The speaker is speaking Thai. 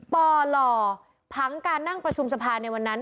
ปล่อผังการนั่งประชุมสภาในวันนั้น